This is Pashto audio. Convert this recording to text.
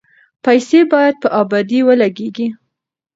پیسې باید په ابادۍ ولګیږي.